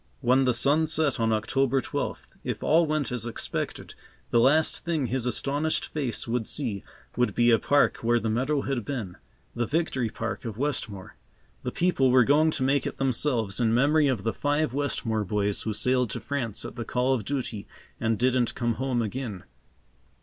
When the sun set on October twelfth, if all went as expected, the last thing his astonished face would see, would be a park where the meadow had been,—the Victory Park of Westmore. The people were going to make it themselves in memory of the five Westmore boys who sailed to France at the call of duty and didn't come home again.